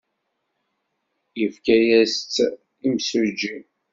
Yefka-as-tt imsujji.